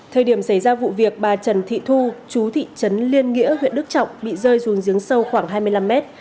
thời điểm xảy ra vụ việc bà trần thị thu chú thị trấn liên nghĩa huyện đức trọng bị rơi dùn giếng sâu khoảng hai mươi năm mét